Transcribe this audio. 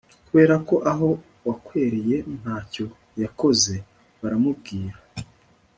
kubera ko aho bwakereye nta cyo yakoze, baramubwira